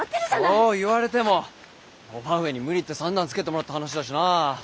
そう言われても伯母上に無理言って算段つけてもらった話だしなぁ。